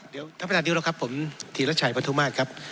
เดี๋ยวท่านประธานนิรบครับผมธีรชัยปฐุมาตรครับ